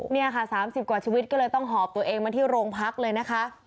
นี่ค่ะ๓๐กว่าชีวิตก็เลยต้องหอบตัวเองมาที่โรงพักเลยนะคะ